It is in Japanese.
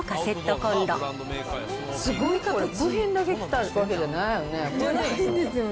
これ、部品だけ来たわけじゃないよね。